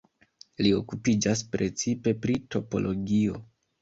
Li okupiĝas precipe pri topologio.